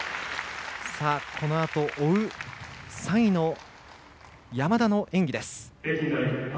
このあと追う３位の山田の演技です。